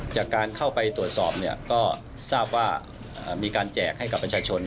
จากการเข้าไปตรวจสอบก็ทราบว่ามีการแจกให้กับประชาชน